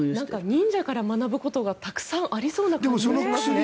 忍者から学ぶことがたくさんありそうな感じがしますね。